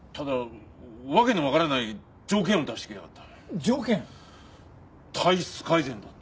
条件？体質改善だって。